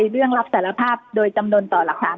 เรื่องรับสารภาพโดยจำนวนต่อหลักฐาน